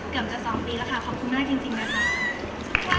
เกือบจะ๒ปีแล้วค่ะขอบคุณมากจริงนะคะ